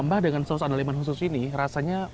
saya mau buka firsthand helping deskripsi saya